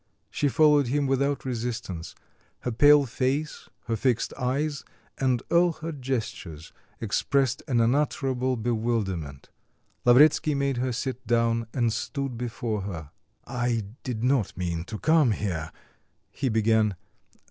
She followed him without resistance, her pale face, her fixed eyes, and all her gestures expressed an unutterable bewilderment. Lavretsky made her sit down and stood before her. "I did not mean to come here," he began.